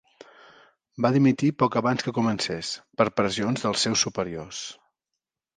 Va dimitir poc abans que comencés per pressions dels seus superiors.